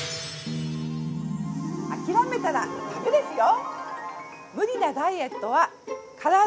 ◆諦めたら、だめですよ！